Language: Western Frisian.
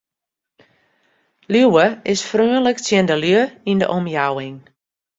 Liuwe is freonlik tsjin de lju yn de omjouwing.